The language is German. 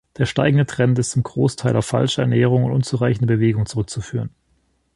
Der steigende Trend ist zum Großteil auf falsche Ernährung und unzureichende Bewegung zurückzuführen.